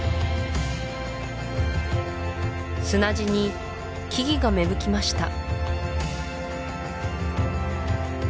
砂地に木々が芽吹きました